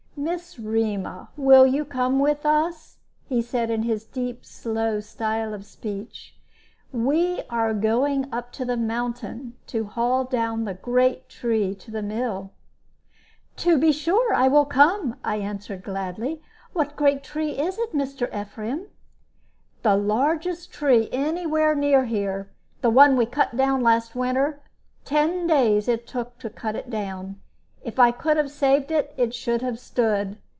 "Miss Rema, will you come with us?" he said, in his deep, slow style of speech. "We are going up the mountain, to haul down the great tree to the mill." "To be sure I will come," I answered, gladly. "What great tree is it, Mr. Ephraim?" "The largest tree any where near here the one we cut down last winter. Ten days it took to cut it down. If I could have saved it, it should have stood.